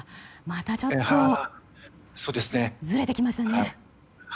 またちょっとずれてきましたね。